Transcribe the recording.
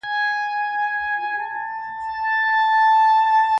نو گراني ته چي زما قدم باندي.